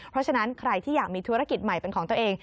เพราะฉะนั้นใครที่อยากมีธุรกิจใหม่เป็นของตัวเอง